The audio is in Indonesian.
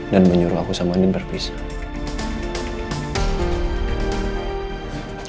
dan menyuruh andin dan aku berpisah